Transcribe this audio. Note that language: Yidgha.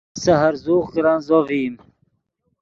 سے ہرزوغ کرن زو ڤئیم